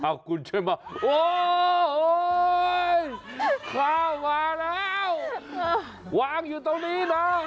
เอาคุณช่วยมาโอ้ยข้าวมาแล้ววางอยู่ตรงนี้นะ